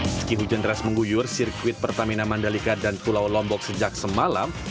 meski hujan deras mengguyur sirkuit pertamina mandalika dan pulau lombok sejak semalam